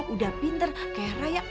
udah pinter kaya raya